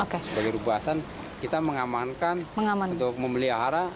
sebagai ruasan kita mengamankan untuk memelihara